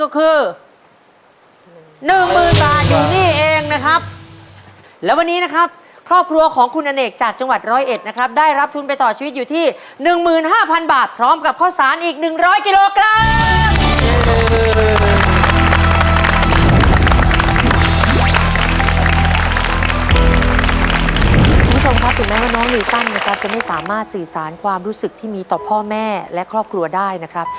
คุณผู้ชมครับถึงแม้ว่าน้องลิวตันนะครับจะไม่สามารถสื่อสารความรู้สึกที่มีต่อพ่อแม่และครอบครัวได้นะครับ